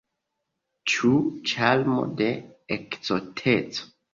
Ĉu ĉarmo de ekzoteco?